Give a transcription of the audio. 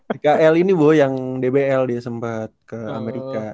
tkl ini bu yang dbl dia sempat ke amerika